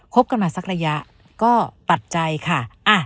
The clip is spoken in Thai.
บกันมาสักระยะก็ตัดใจค่ะ